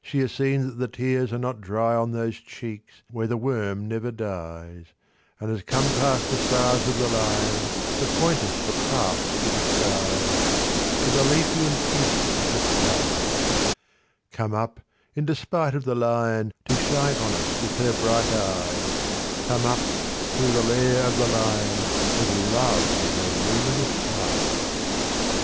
She has seen that the tears are not dry on These cheeks, where the worm never dies, And has come past the stars of the Lion, To point us the path to the skies— To the Lethean peace of the skies— Come up, in despite of the Lion, To shine on us with her bright eyes— Come up, through the lair of the Lion, With love in her luminous eyes."